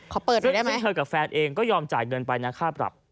ขอเปิดหน่อยได้ไหมซึ่งเธอกับแฟนเองก็ยอมจ่ายเงินไปนะค่าปรับ